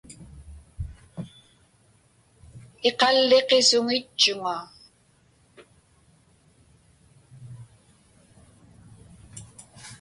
Iqalliqisuŋitchuŋa.